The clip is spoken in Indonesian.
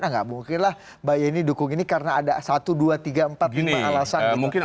nggak mungkin lah mbak yeni dukung ini karena ada satu dua tiga empat lima alasan gitu